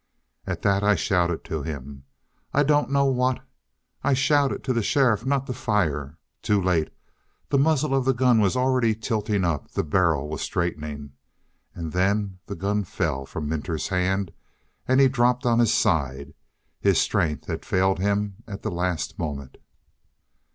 "At that I shouted to him, I don't know what. I shouted to the sheriff not to fire. Too late. The muzzle of the gun was already tilting up, the barrel was straightening. And then the gun fell from Minter's hand and he dropped on his side. His strength had failed him at the last moment.